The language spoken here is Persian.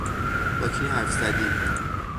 با کی حرف زدی؟